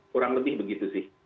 kurang lebih begitu sih